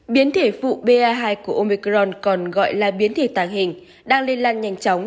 biến thể phụ ba hai của omicron còn gọi là biến thể tàng hình đang lây lan nhanh chóng